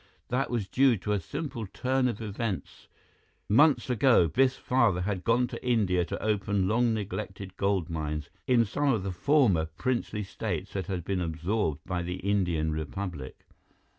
That was due to a simple turn of events. Months ago, Biff's father had gone to India to open long neglected gold mines in some of the former princely states that had been absorbed by the Indian Republic.